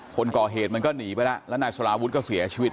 คนก่อเหตุมันก็หนีไปและอย่างนายสุราวุธก็เสียชีวิต